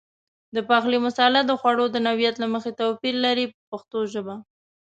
د پخلي مساله د خوړو د نوعیت له مخې توپیر لري په پښتو ژبه.